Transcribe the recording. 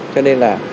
cho nên là